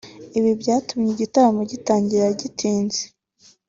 ibi byatumye igitaramo gitangira gitinze